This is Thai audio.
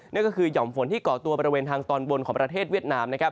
นั่นก็คือห่อมฝนที่เกาะตัวบริเวณทางตอนบนของประเทศเวียดนามนะครับ